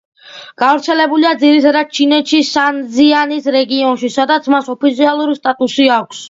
გავრცელებულია ძირითადად ჩინეთში სინძიანის რეგიონში, სადაც მას ოფიციალური სტატუსი აქვს.